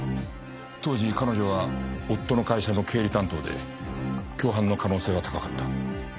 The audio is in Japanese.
当時彼女は夫の会社の経理担当で共犯の可能性が高かった。